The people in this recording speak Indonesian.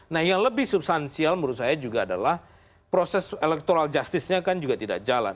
nah yang lebih substansial menurut saya juga adalah proses electoral justice nya kan juga tidak jalan